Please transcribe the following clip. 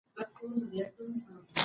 ځینې خلک خوشحال شول.